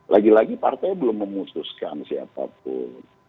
lagi lagi partai belum memutuskan siapapun